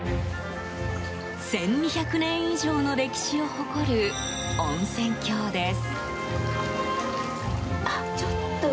１２００年以上の歴史を誇る温泉郷です。